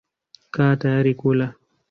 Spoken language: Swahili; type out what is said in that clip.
Kaa tayari kula.